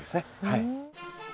はい。